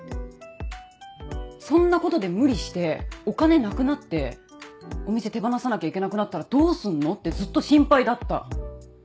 そんなことで無理してお金なくなってお店手放さなきゃいけなくなったらどうすんのってずっと心配だった！